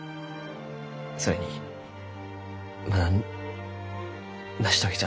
それにまだ成し遂げちゃあせん。